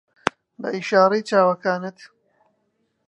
بە ئیشارەی چاوەکانت